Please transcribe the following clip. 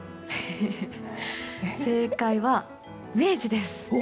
正解は、明治です。